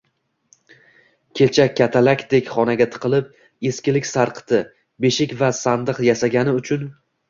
Kecha katalakdek xonaga tiqilib, “eskilik sarqiti” –beshik va sandiq yasagani uchun